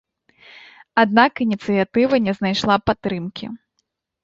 Аднак ініцыятыва не знайшла падтрымкі.